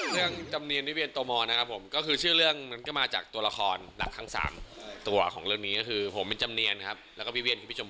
ต้องพยายามเปลี่ยนตัวเองในคนดีเพื่อศิลป์พี่ชม